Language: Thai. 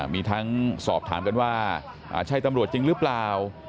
มีทั้งสอบถามกันว่าใช่ตำรวจจริงหรือเปล่า